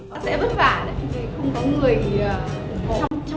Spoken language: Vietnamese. nó sẽ bất vả không có người thì không có cô